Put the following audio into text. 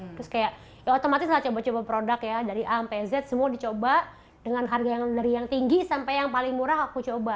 terus kayak ya otomatis lah coba coba produk ya dari a sampai z semua dicoba dengan harga yang dari yang tinggi sampai yang paling murah aku coba